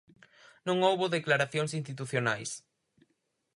Non houbo declaración institucionais.